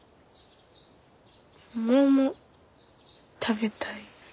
桃食べたい。